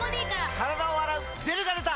体を洗うジェルが出た！